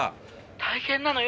「大変なのよ。